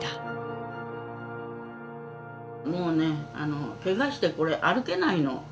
「もうねケガしてこれ歩けないの。